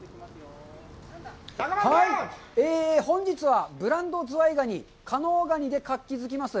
はい、本日は、ブランドズワイガニ、加能ガニで活気づきます